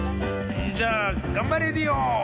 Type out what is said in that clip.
じゃあ「がんばレディオ！」。